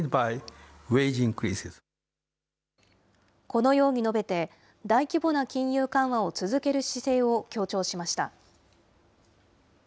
このように述べて、大規模な金融緩和を続ける姿勢を強調しました。